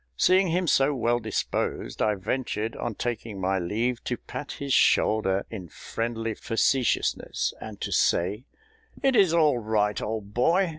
Seeing him so well disposed, I ventured, on taking my leave, to pat his shoulder in friendly facetiousness, and to say, "It is all right, old boy.